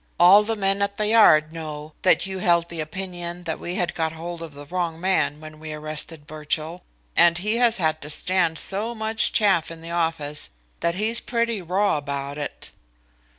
All the men at the Yard know that you held the opinion that we had got hold of the wrong man when we arrested Birchill, and he has had to stand so much chaff in the office, that he's pretty raw about it."